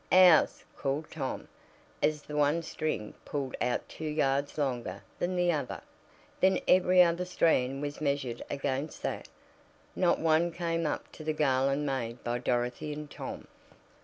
"Ours!" called Tom, as the one string pulled out two yards longer than the other. Then every other strand was measured against that. Not one came up to the garland made by Dorothy and Tom.